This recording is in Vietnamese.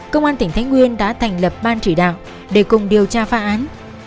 công an tỉnh thái nguyên đã thành lập ban chỉ đạo để cùng điều tra phá án